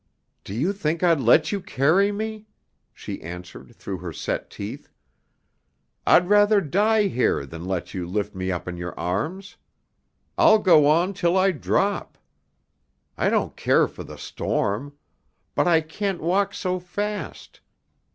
"Do you think I'd let you carry me?" she answered through her set teeth. "I'd rather die here than let you lift me up in your arms. I'll go on till I drop. I don't care for the storm. But I can't walk so fast.